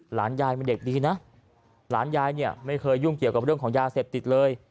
หลานยายเป็นเด็กดีนะหลานยายเนี่ยไม่เคยยุ่งเกี่ยวกับเรื่องของยาเสพติดเลย